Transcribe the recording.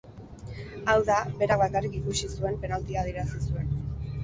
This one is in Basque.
Hau da, berak bakarrik ikusi zuen penaltia adierazi zuen.